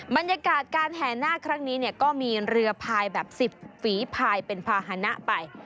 บรรยากาศการแห่นาคครั้งนี้ก็มีเรือพายแบบ๑๐ฝีภายเป็นภาษณะไป